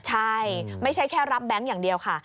ใช่ไม่ใช่แค่รับแบงค์อย่างเดียวค่ะ